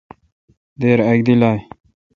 دیر اک دی لائ۔